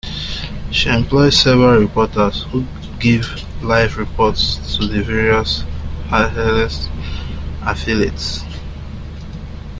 It employs several reporters who give live reports to the various Hearst affiliates.